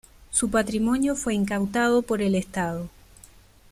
Su patrimonio fue incautado por el Estado.